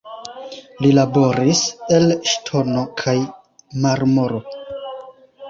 Li laboris el ŝtono kaj marmoro.